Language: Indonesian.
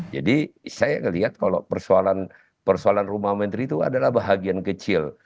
jadi saya melihat kalau persoalan rumah menteri itu adalah bahagian kecil